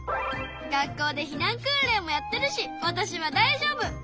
学校で避難訓練もやってるしわたしは大丈夫。